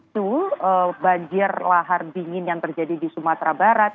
su banjir lahar dingin yang terjadi di sumatera barat